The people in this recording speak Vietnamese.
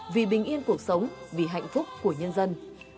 vì bình yên cuộc sống vì hạnh phúc của nhân dân